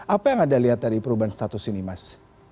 apa yang anda lihat dari perubahan status ini mas